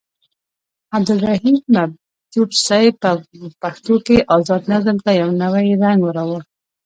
عبدالرحيم مجذوب صيب په پښتو کې ازاد نظم ته يو نوې رنګ راوړو.